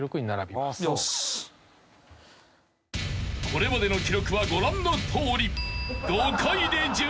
［これまでの記録はご覧のとおり］